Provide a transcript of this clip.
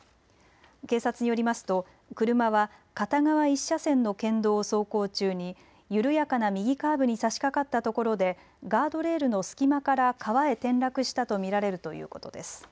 警察によりますと車は片側１車線の県道を走行中に緩やかな右カーブにさしかかったところでガードレールの隙間から川へ転落したと見られるということです。